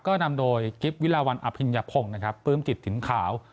ก็นำโดยกิฟต์วิลาวันอพิญญาพงษ์ปื้มกิจถิ่นขาว